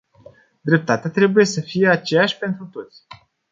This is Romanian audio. Dreptatea trebuie să fie aceeași pentru toți.